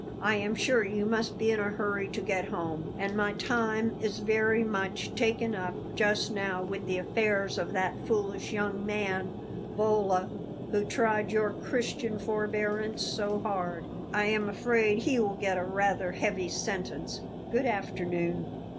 I am sure you must be in a hurry to get home; and my time is very much taken up just now with the affairs of that foolish young man, Bolla, who tried your Christian forbearance so hard. I am afraid he will get a rather heavy sentence. Good afternoon!"